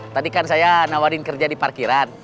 tadi kan saya nawarin kerja di parkiran